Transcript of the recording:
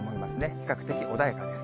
比較的穏やかです。